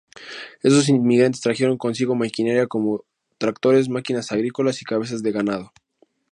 Estos inmigrantes trajeron consigo maquinaria, como tractores, máquinas agrícolas y cabezas de ganado.